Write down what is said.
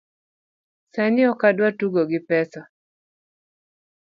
Sani ok adwa tugo gi pesa